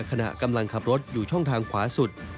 ขณะกำลังขับรถอยู่ช่องทางขวาสุด